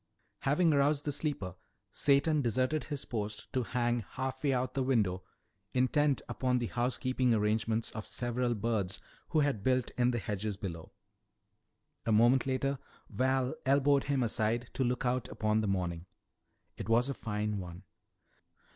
Having aroused the sleeper, Satan deserted his post to hang half way out the window, intent upon the housekeeping arrangements of several birds who had built in the hedges below. A moment later Val elbowed him aside to look out upon the morning. It was a fine one.